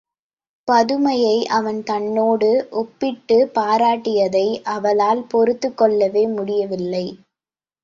பதுமையை அவன் தன்னோடு ஒப்பிட்டுப் பாராட்டியதை அவளால் பொறுத்துக்கொள்ளவே முடியவில்லை.